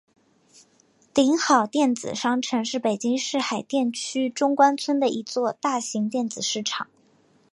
鼎好电子商城是北京市海淀区中关村的一座大型电子市场。